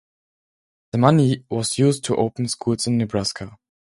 The money was used to open schools in Nebraska.